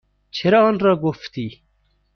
چرا آنرا گفتی؟